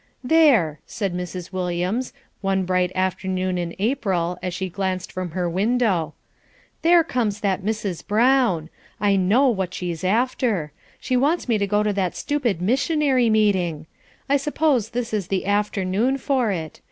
"There!" said Mrs. Williams, one bright afternoon in April, as she glanced from her window. "There comes that Mrs. Brown. I know what she's after. She wants me to go to that stupid missionary meeting. I suppose this is the afternoon for it.